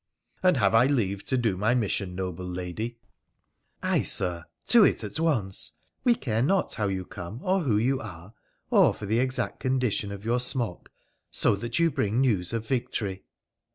' And have I leave to do my mission, noble lady ?'' Ay, Sir, to it at once ! We care not how you come, or who you are, or for the exact condition of your smock, so that you bring news of victory.'